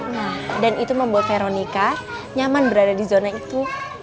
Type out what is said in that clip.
nah dan itu membuat veronica nyaman berada di zona itu